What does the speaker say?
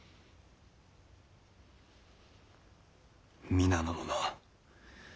皆の者